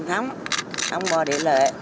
tháng một mươi tháng một mươi một mới đi